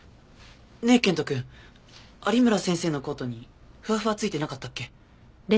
ねえ剣人くん有村先生のコートにフワフワ付いてなかったっけ？